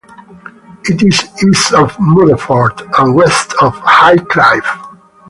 It is east of Mudeford and west of Highcliffe.